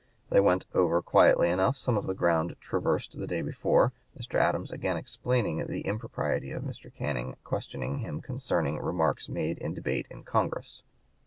They went over quietly enough some of the ground traversed the day before, Mr. Adams again explaining the impropriety of Mr. Canning questioning him concerning remarks made in debate in Congress.